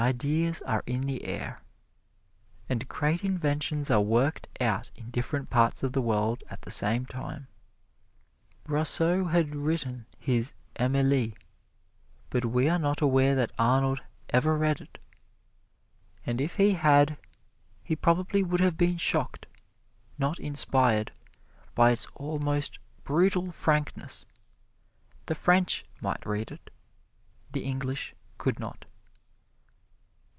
Ideas are in the air, and great inventions are worked out in different parts of the world at the same time. Rousseau had written his "Emile," but we are not aware that Arnold ever read it. And if he had, he probably would have been shocked, not inspired, by its almost brutal frankness. The French might read it the English could not.